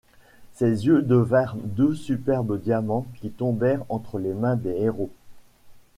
Ces yeux devinrent deux superbes diamants qui tombèrent entre les mains des héros.